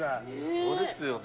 そうですよね。